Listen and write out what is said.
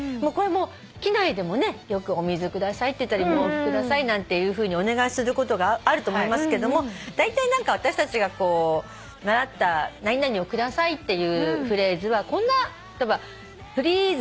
機内でもよく「お水ください」って言ったり「毛布ください」なんていうふうにお願いすることがあると思いますけどもだいたい何か私たちが習った何々をくださいっていうフレーズはこんな例えば。